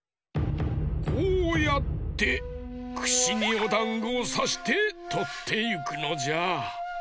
こうやってくしにおだんごをさしてとっていくのじゃ。